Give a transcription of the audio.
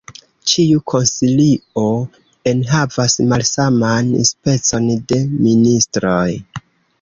Ĉiu konsilio enhavas malsaman specon de ministroj.